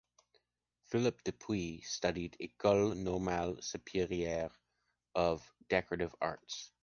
Philippe Dupuy studied École Normale Supérieure of decorative arts.